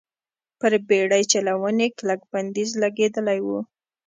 پر بېړۍ چلونې کلک بندیز لګېدلی و.